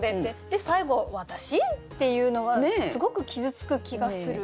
で最後私？っていうのはすごく傷つく気がする。